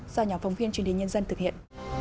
do nhà phóng viên truyền thể nhân dân thực hiện